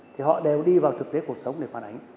thì họ đều đi vào thực tế cuộc sống để phản ánh